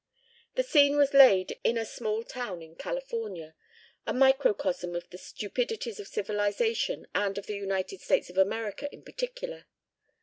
The scene was laid in a small town in California, a microcosm of the stupidities of civilization and of the United States of America in particular.